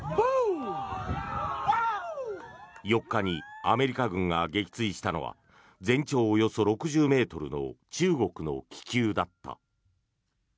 ４日にアメリカ軍が撃墜したのは全長およそ６０ｍの中国の気球だった。